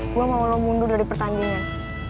gue mau lo mundur dari pertandingan